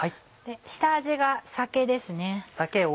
下味が酒ですね。